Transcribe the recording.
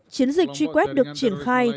chiến dịch truy quét được triển khai